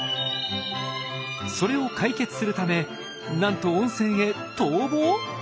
それを解決するためなんと温泉へ逃亡！？